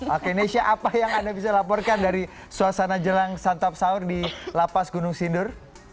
oke nesya apa yang anda bisa laporkan dari suasana jelang santap sahur di lapas gunung sindur